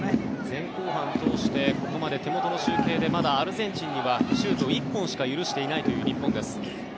前後半通してここまで手元の集計でまだアルゼンチンにはシュート１本しか許していないという日本です。